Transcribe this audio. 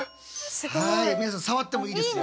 皆さん触ってもいいですよ。